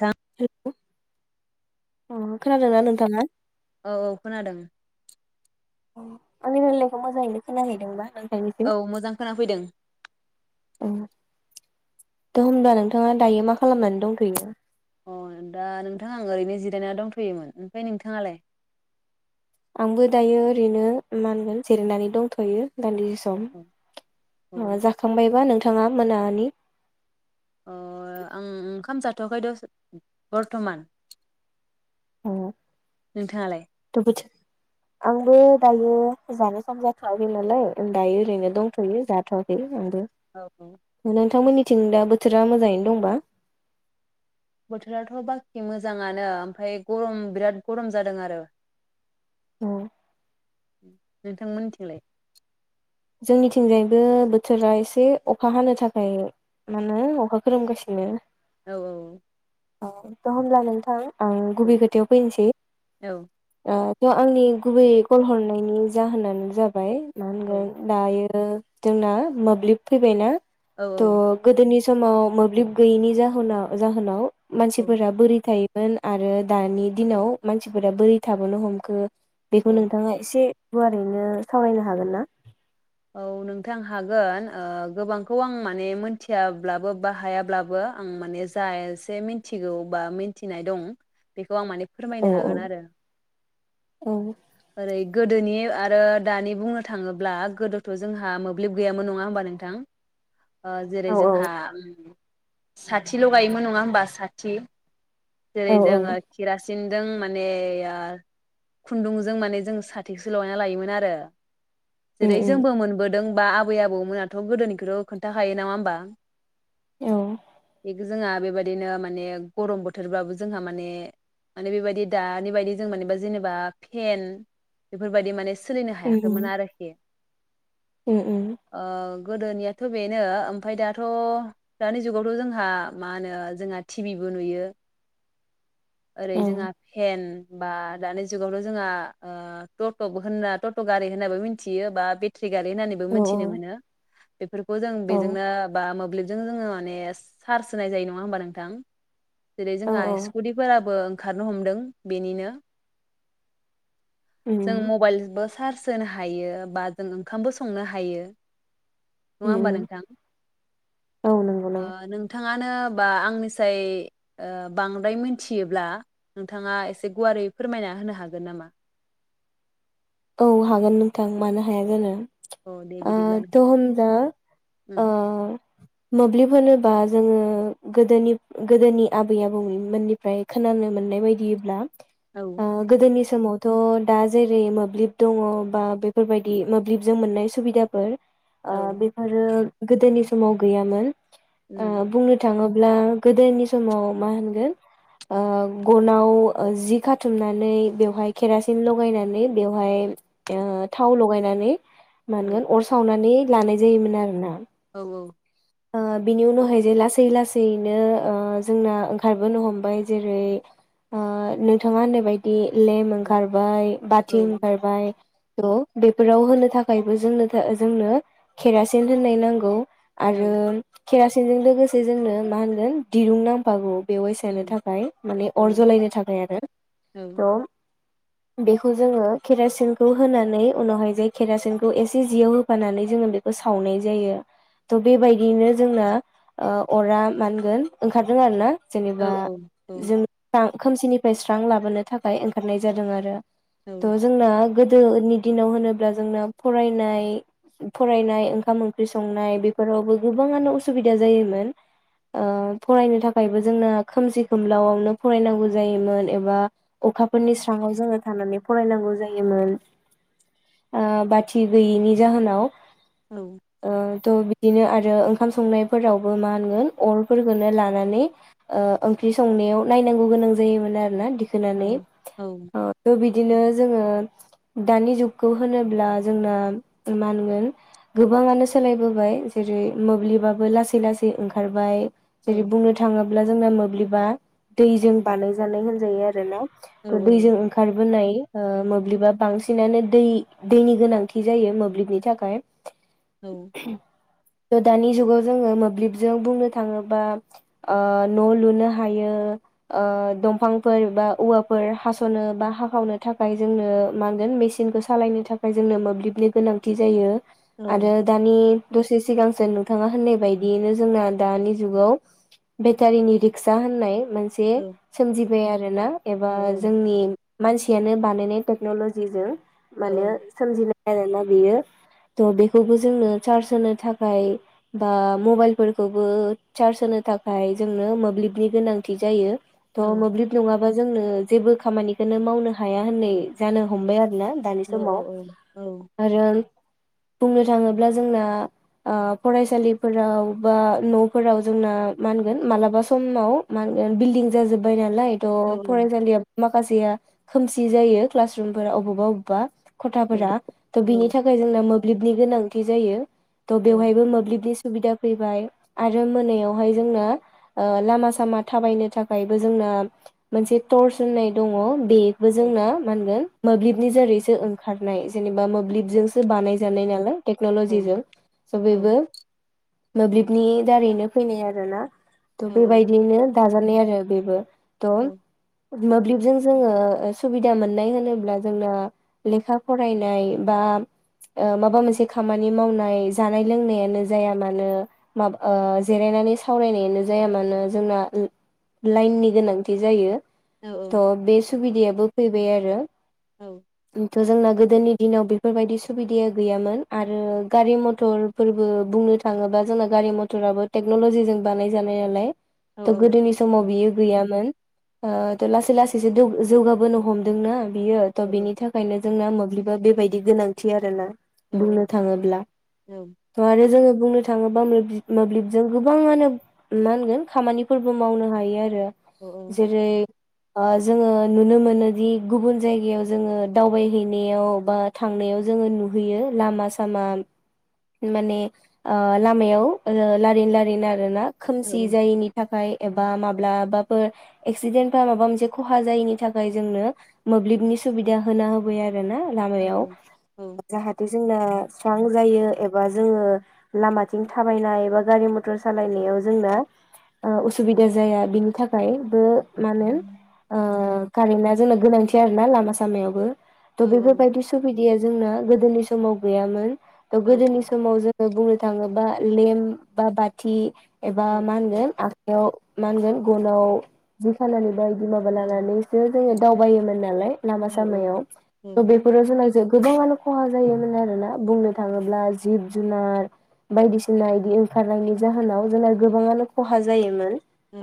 गां अ खोनादोंना नोंथाङा औ औ खोनादों आंनि मिनिनायखौ मोजाङैनो खोनाहैदोंबा नों औ मोजां खोना फैदों औ दा होमब्ला नोंथाङा दायो मा खालामनानै दंथ'यो अ दा नोंथां आं ओरैनो जिरायना दंथ'योमोन ओमफ्राय नोंथाङालाय आंबो दायो ओरैनो मा होनगोन जिरायनानै दंथ'यो दान्दि सम अ जाखांबायबा नोंथाङा मोनानि अ आं ओंखाम जाथ'खै दस' बरथमान आंबो दायो जानो सम जाथ'वाखै नालाय दायो ओरैनो दंथ'यो जाथ'वाखै आंबो औ औ नोंथांमोननिथिं दा बोथोरा मोजाङैनो दंबा बोथोराथ' बाखि मोजाङानो ओमफ्राय गरम बिराद गरम जादों आरो औ नोंथां मिथिंलाय जोंनिथिंजायबो बोथोरा एसे अखा हानो थाखाय मा होनो अखा खोरोमगासिनो औ औ औ' होमब्ला नोंथां आं औ गुबै खोथायाव फैनोसै बे आंनि गुबै कल हरनायनि जाहोनानो जाबाय मा औ होनगोन दायो जोंना मोब्लिब फैबायना थ औ गोदोनि समाव मोब्लिब गैयिनि जाहोनाव जाहोनाव औ मानसिफोरा बोरै थायो मोन आरो दानि दिनाव मानसिफोरा बोरै थाबोनो हमखो बेखौ औ नोंथाङा एसे गुवारैनो सावरायनो हागोन ना औ नोंथां हागोन गोबांखौ आं माने मोनथियाब्लाबो बा हायाब्लाबो आं माने जा इसे मिथिगौ बा मिथिनाय दं बेखौ आं माने औ फोरमायनो औ हागोन आरो ओरै गोदोनि आरो दानि बुंनो थाङोब्ला गोदो थ' जोंहा मोब्लिब गैयामोन नङा होमबा नोंथां जेरै औ जोंहा साथि लगायोमोन नङा होमबा साथि जेरै औ जोङो औ खिरासिन सिनजों माने खुन्दुंजों माने जों साथिसो लगायना लायोमोन आरो उम जेरै उम जोंबो मोनबोदों बा आबै आबौमोनाथ' गोदोनिखौथ' खोन्थाखायो नंङा होमबा औ जोंहा बेबायदिनो माने गरम बोथोरबाबो जोंहा माने माने बेबायदि दानि बायदि जों माने जेनेबा फेन बेफोरबायदि माने सोलिनो हायाखैमोन आरोखि औ औ ओ गोदोनियाथ' बेनो ओमफ्राय दाथ' दानि जुगावथ' जोंहा मा होनो जोंहा टिभिबो बो नुयो [inaudible] ओरै उम जोंहा फेन बा दानि जुगावनो जोंहा ओ टट' बो होनना टट' गारिबो होनना मिथियो बा बे फ्लि गारि होननानैबो औ मोनथिनो मोनो बेफोरखौ जों औ बेजोंनो बा मोब्लिबजों जोंङो माने चारस होनाय जायो नङा होनबा नोंथां जेरै औ जोंहा सक्टि फोराबो ओंखारनो हमदों बेनिनो जों उम मबाइल बो सार सोनो हायो बा जों ओंखामबो संनो हायो नङा उम उम होमबा नोंथां औ नंगौ ओ नंगौ नों थाङानो बा आंनिसाय ओ बांद्राय मिथियोब्ला नोंथाङा एसे गुवार रै फोरमायना होनो हागोन नामा? औ हागोन नोंथां मानो हाया जानो औ दे ओ बिदिब्ला नों थ होमबा उम ओ मोब्लिब होनो बा जोंङो गोदोनि गोदोनि आबै आबौमोननिफ्राय खोनानो मोननाय बायदियोब्ला औ ओ गोदोनि समावथ' दा जेरै मोब मोब्लिब दङ बा बेफोरबायदि मोब्लिबजों मोननाय सुबिदाफोर ओ औ बेफोरो गोदोनि समाव गैयामोन उम ओ बुंनो थांङो ब्ला गोदोनि समाव मा होनगोन ओ गनाव जि खाथुमनानै बेवहाय केरासिन लगायनानै बेवहाय ओ थाव लगायनानै औ मानगोन अर सावनानै लानाय जायोमोन आरोना ओ ओ बिनि उनावहाय जे लासै लासैनो ओ जोंना ओंखारबोनो हमबाय जेरै ओ नोंथाङा होन्नाय बायदि लेम औ ओंखारबाय बाथि औ ओंखारबाय त' बेफोराव होनो थाखायबो जोंनो जोंनो केरासिन होननाय नांगौ आरो औ केरासिनजों लोगोसे जोंनो मा होनगोन दिरुं नांफागौ बेवहाय सनो थाखाय माने औ अर जलायनो थाखाय आरो औ थ' बेखौ जोंङो केरासिनखौ होनानै उनावहाय जे केेरासिनखौ एसे जियाव होफानानै जोंङो बेखौ सावनाय जायो। थ' बेबायदियैनो जोंना ओ अरा मा होनगोन ओंखारदों आरो ना जेनेबा औ औ औ जों खोमसिनिफ्राय स्रां लाबोनो थाखाय ओंखारनाय जादों आरो औ थ' जोंना गो दोनि दिनाव होनोब्ला जोंना फरायनाय फरायनाय ओंखाम ओंख्रि संनाय बे फोरावबो गोबाङानो असुबिदा जायोमोन। ओ फरायनो थाखायबो जोंना खोमसि खोमलायाव नो फरायनांगौ जायोमोन एबा अखाफोरनि स्राङाव जोंङो थानानै फरायनांगौ जायोमोन। ओ बाथि गैयैनि जाहोनाव औ ओ थ' बिदिनो आरो ओंखाम संनायफोरावबो मा होनगोन अर फोरखौनो लानानै ओ ओंख्रि सं नायाव नायनांगौ गोनां जायोमोन आरोना औ दिखोनानै औ ओ थ' बि दिनो जोंङो दानि जुगखौ होनोब्ला जोंना मा होनगोन गोबाङानो सोलायबोबाय जेरै मोब्लिबाबो लासै लासै ओंखारबाय औ जेरै बुंनो थांङो ब्ला जोंना मोब्लिबा दैजों बानायजानाय होनजायो आरो ना औ दैजों ओंखारबोनाय ओ मोब्लिबा बांसिनानो दै दैनि गोनांथि जायो मोब्लिबनि थाखाय औ त' दानि जुगाव जोङो मोब्लिबजों बुंनो थाङोबा ओ न' लुनो हायो। ओ दंफांफोर बा औवाफोर हास'नो बा हाखावनो थाखाय जोंनो माहोनगोन मेसिनखौ सालायनो थाखाय जोंनो मोब्लिबनि गोनांथि जायो औ आरो दानि दसे सिगांसो नोंथाङा होननाय बायदियैनो जोंना दानि जुगाव बेटारिनि रिक्सा होननाय मोनसे औ सोमजिबाय आरोना औ एबा औ जोंनि मानसियानो बानायनाय टेक्नल'जिजों माने सोमजिनाय। आरोना बेयो थ' बेखौबो जोंनो चार्ज होनो थाखाय बा मबाइलफोरखौबो चार्ज होनो थाखाय जोंनो मोब्लिबनि गोनां थि जायो। थ मोब्लिब नङाबा जोंनो जेबो खामानिखौनो मावनो हाया होननाय जानो हमबाय आरो ना दानि समाव आरो बुंनो थाङोब्ला जोंना आ फरायसालिफोराव बा न'फोराव जोंना मागोन मालाबा समाव मा एल बिल्डिं जाजोब्बाय ना लाय द फरायसालिया माखासेया खोमसि जायो क्लास रुमफोरा अबावबा अबावबा खथाफोरा थ' बिनि थाखाय जोंना मोब्लिबनि गोनांथि जायो थ बेवहायबो मोब्लिबनि सुबिदा फैबाय आरो मोनायावहाय जोंनो ओ लामा सामा थाबायनो थाखायबो जोंनो मोनसे थरस होननाय दं बेबो जोंना मागोन मोब्लिबनि जेरैसो ओंखारनाय जेनेबा मोब्लिब जोंसो बानाय जानाय नालाय टेक्नलजिजों स' बेबो मोब्लिबनि दारैनो फैनाय आरो ना थ' बेबायदियैनो दाजानाय आरो बेबो द' मोब्लिबजों जोङो सुबिदा मोननाय होनोब्ला जोंना लेखा फरायनाय बा ओ माबा मोनसे खामानि मावनाय जानाय लोंनायानो जाया मानो माबा ओ जिरायनानै सावरायनायानो जाया मानो जोंना लाइननि गोनांथि जायो थ' बे सुबिदायाबो फैबाय आरो औ थ' जोंना गोदोनि दिनाव बेफोरबायदि सुबिदाया गैयामोन आरो गारि मथर मटर फोरबो बुंनो थाङोबा जोंना गारि मथराबो टेक्न'ल'जिजों बानायजानाय नालाय औ थ' गोदोनि समाव बियो गैयामोन ओ थ' लासै लासैसो दौ जौगाबोनो हमदोंना बियो औ थ' बिनि थाखायनो जोंना मोब्लिबा बेबायदि गोनांथि आरोना बुंनो थाङोब्ला थ' आरो जोङो बुंनो थाङोब्ला मोबि मोब्लिबजों गोबाङानो मा होनगोन खामानिफोरबो मावनो हायो आरो जेरै आ जोङो नुनो मोनोदि गुबुन जायगायाव जोङो दावबायहैनायाव बा थांनायाव जों जोङो नुहैयो लामा सामा माने आ लामायाव ओ लारिन लारिन आरोना खोमसि जायैनि थाखाय एबा माब्लाबाफोर एक्सिडेन्ट बा माबा मोनसे खहा जायैनि थाखाय जोंनो मोब्लिबनि सुबिदा होना होबाय आरोना लामायाव जाहाथे जोंना स्रां जायो एबा बा जोङो लामाथिं थाबायनाय बा गारि मतर सालायनायाव जोंना ओ उसुबिदा जाया बिनि थाखायबो मा होनो ओ कारेन्टआ जोंनो गोनांथि आरोना लामा सामायावबो त' बेफोरबायदि सुबिदाया जोंना गोदोनि समाव गैयामोन त' गोदोनि स समाव जोङो बुंनो थाङोबा लेम बा बाथि एबा मा होनगोन आख बेयाव मा होनगोन गनाव जि खानानै बा इदि माबा लानानैसो जोङो दावबायोमोन नालाय लामा सामायाव त' बेफोराव जोंना ज जो गोबावानो खहा जायोमोन होनो आरोना बुंनो थाङोब्ला जिब जुनार बायदिसिना इदि ओंखारनायनि जाहोनाव जोंना गोबाङानो खहा जायोमोन औ।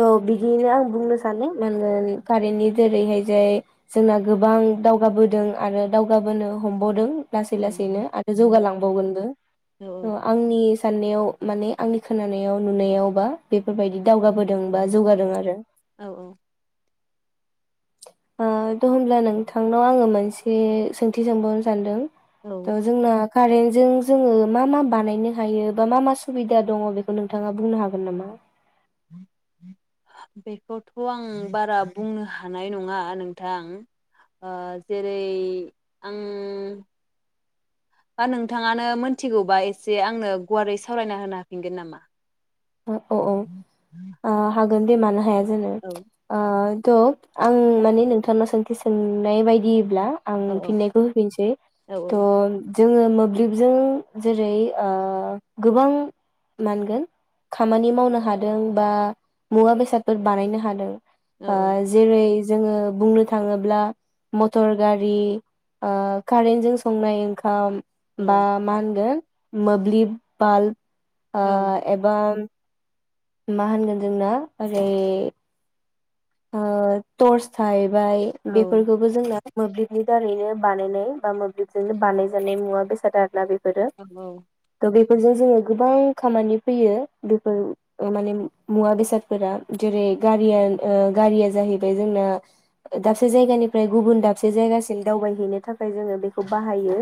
त बिदिनो आं बुंनो सानदों मानगोन कारेन्टनि जेरैहाय जाय जोंना गोबां दाव गाबोदों आरो दावगाबोनो हमबावदों लासै लासैनो आरो जौगालांबावगोनबो आंनि साननायाव माने आंनि खोनानायाव नुनायावबा बे फोरबायदि दावगाबोदों बा जौगादों आरो। अ त' होमब्ला नोंथांनाव आङो मोनसे सोंथि सोंबावनो सानदों। त जोंना कारेन्टजों जोङो मा मा बानायनो हायो बा मा मा सुबिदा दङ बेखौ नोंथाङा बुंनो हागोन नामा? [inaudible] [inaudible] बेखौथ' आं बारा बुंनो हानाय नङा नोंथां। अ जेरै आं बा नोंथाङानो मोनथिगौबा एसे आंनो गुवारै सावरायना होनो हाफिनगोन नामा? [inaudible] गोनन्दै मानो हाया जानो औ अ त' आं माने नोंथांनाव सोंथि सोंनाय बायदिब्ला आं औ फिननायखौ होफिनसै औ थ' जोङो मोब्लिबजों जेरै ओ गोबां मानगोन खामानि मावनो हादों बा मुवा बेसादफोर बानायनो हादों औ ओ जेरै जोङो बुंनो थाङोब्ला मटर गारि ओ कारेन्टजों संनाय ओंखाम औ बा मा होनगोन मोब्लिब बाल्ब ओ औ एबा मा होनगोन जोंना ओरै ओ टर्स थाहैबाय औ बेफोरखौबो जोंना मोब्लिबनि दारैनो बानायनाय बा मोब्लिबजोंनो बानायजानाय मुवा बेसाद आरोना बे फोरो औ त बे बेफोरजों जोङो गोबां खामानि फैयो बेफोर माने मुवा बेसादफोरा जेरै गारिया ओ गारिया जाहैबाय जोंना दाबसे जायगानिफ्राय गुबुन दाबसे जायगासिम दावबायहैनो थाखाय जोङो बेखौ बाहायो।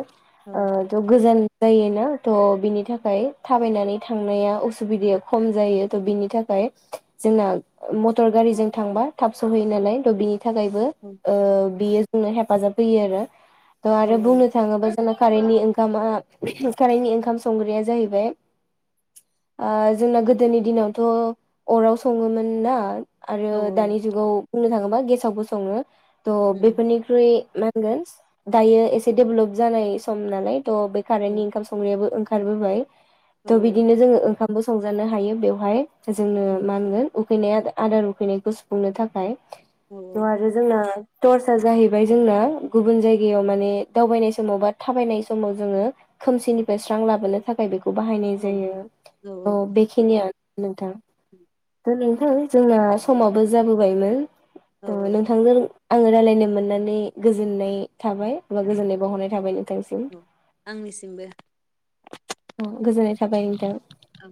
ओ थ गोजान जायोना थ' बिनि थाखाय थाबायनानै थांनाया असुबिदाया खम जायो थ' बिनि थाखाय जोंना मथर गारिजों थांबा थाब सहैयो नालाय थ' बिनि थाखायबो ओ बियो जोंनो हेफाजाब होयो आरो। त औ आरो बुंनो थाङोबा [unintelligible] कारेन्टनि ओंखामा कारेन्टनि ओंखाम संग्राया जाहैबाय आ जोंना गोदोनि दिनावथ' अराव सङोमोन ना आरो औ दानि जुगाव बुंनो थाङोबा गेसावबो सङो त उम बेफोरनिख्रुइ मा होनगोन दायो एसे देभेलप जानाय सम नालाय थ' बे उम औ कारेन्टनि ओंखाम संनायाबो ओंखारबोबाय औ थ' बिदिनो जोङो ओंखामबो संजानो हायो बेवहाय जोंनो उम मा होनगोन उखैनाय आदार उखैनायखौ सुफुंनो थाखाय थ' आरो जोंना टर्सआ जाहैबाय जोंना गुबुन जायगायाव माने दावबायनाय समाव बा थाबायनाय समाव जोङो खोमसिनिफ्राय स्रां लाबोनो थाखाय बेखौ बाहायनाय जायो औ थ बेखिनियानो नोंथां। [inaudible] थ' नोंथां जोंना समाबो जाबोबायमोन औ थ' नोंथांजों आङो रायलायनो मोननानै गोजोननाय थाबाय बा गोजोननाय बावहरनाय थाबाय नों औ आंनिसिमबो औ गोजोननाय थाबाय नोंथां औ